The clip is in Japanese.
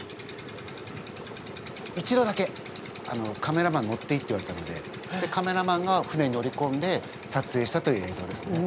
一度だけ「カメラマン乗っていい」って言われたのでカメラマンが船に乗りこんで撮影したという映像ですね。